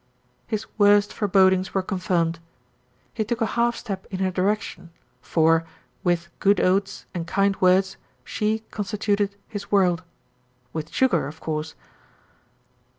His worst forebodings were confirmed. He took a half step in her direction; for, with good oats and kind words, she constituted his world with sugar, of course.